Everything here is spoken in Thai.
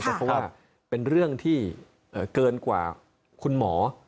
เพราะว่าเป็นเรื่องที่เกินกว่าคุณหมอ